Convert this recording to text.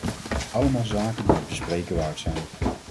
Allemaal zaken die het bespreken waard zijn.